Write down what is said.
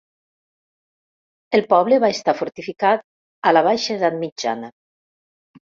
El poble va estar fortificat, a la Baixa Edat Mitjana.